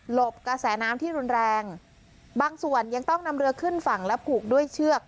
บกระแสน้ำที่รุนแรงบางส่วนยังต้องนำเรือขึ้นฝั่งและผูกด้วยเชือก